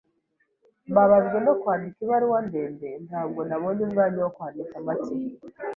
Mbabajwe no kwandika ibaruwa ndende. Ntabwo nabonye umwanya wo kwandika make.